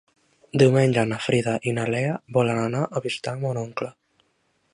Diumenge na Frida i na Lea volen anar a visitar mon oncle.